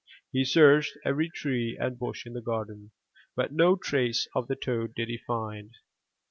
He searched every tree and bush in the garden but no trace of the toad did he find.